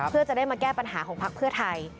เพื่อจะได้มาแก้ปัญหาของพักเพื่อไทย